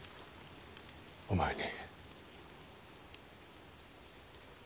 お前に。